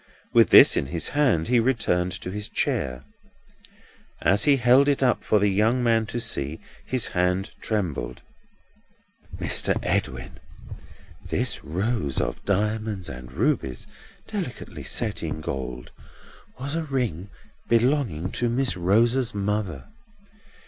With this in his hand, he returned to his chair. As he held it up for the young man to see, his hand trembled. "Mr. Edwin, this rose of diamonds and rubies delicately set in gold, was a ring belonging to Miss Rosa's mother.